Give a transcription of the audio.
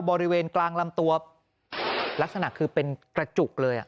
บริเวณกลางลำตัวลักษณะคือเป็นกระจุกเลย